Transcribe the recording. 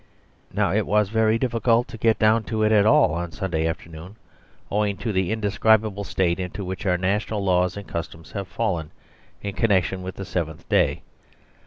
Now it was very difficult to get down to it at all on Sunday afternoon, owing to the indescribable state into which our national laws and customs have fallen in connection with the seventh day.